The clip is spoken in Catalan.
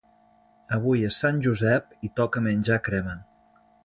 Avui és sant Josep i toca menjar crema